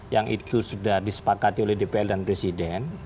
yang itu sudah disepakati oleh dpr dan presiden